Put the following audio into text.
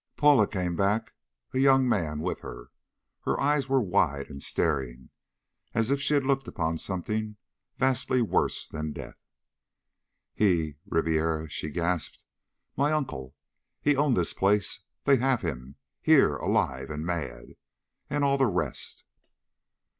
Paula came back, a young man with her. Her eyes were wide and staring, as if she had looked upon something vastly worse than death. "He Ribiera," she gasped. "My uncle, he owned this place. They have him here alive and mad! And all the rest...."